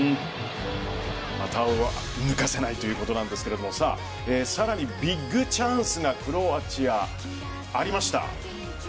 股は抜かせないということですが更にビッグチャンスがクロアチア、ありました。